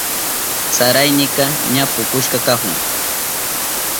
Saraynika ña pukushka kahun.